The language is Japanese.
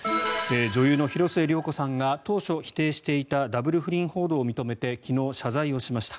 女優の広末涼子さんが当初、否定していたダブル不倫報道を認めて昨日、謝罪をしました。